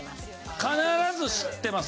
必ず知ってます。